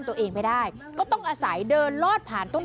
สุดทนแล้วกับเพื่อนบ้านรายนี้ที่อยู่ข้างกัน